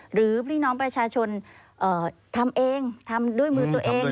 หรือพี่น้องประชาชนทำเองทำด้วยมือตัวเอง